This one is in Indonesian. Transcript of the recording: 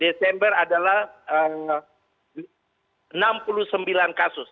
desember adalah enam puluh sembilan kasus